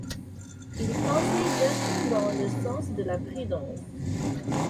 Il conseille Justin dans le sens de la prudence.